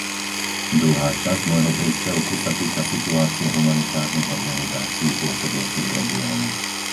Druhá časť môjho príspevku sa týka situácie humanitárnych organizácií pôsobiacich v regióne.